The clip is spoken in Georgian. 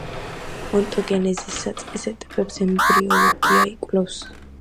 ონტოგენეზის საწყის ეტაპებს ემბრიოლოგია იკვლევს.